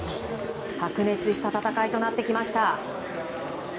白熱した戦いとなってきました。